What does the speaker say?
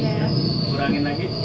nah kurangin lagi